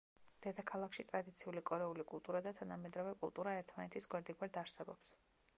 დედაქალაქში ტრადიციული კორეული კულტურა და თანამედროვე კულტურა ერთმანეთის გვერდიგვერდ არსებობს.